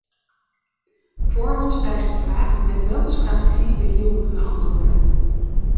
Voor ons rijst de vraag met welke strategie wij hierop kunnen antwoorden.